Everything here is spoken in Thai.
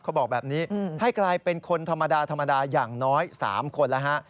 เขาบอกแบบนี้ให้กลายเป็นคนธรรมดาธรรมดาอย่างน้อย๓คนแล้วฮะ